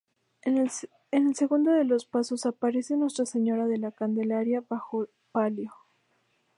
En el segundo de los pasos aparece Nuestra Señora de la Candelaria bajo palio.